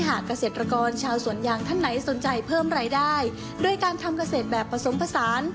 หากเกษตรกรชาวสวนยางท่านไหนสนใจเพิ่มรายได้โดยการทำเกษตรแบบผสมผสาน